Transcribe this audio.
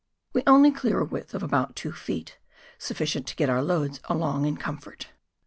We only clear a width of about two feet, sufficient to get our loads along in comfort.